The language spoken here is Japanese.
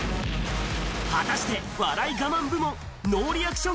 果たして笑い我慢部門ノーリアクション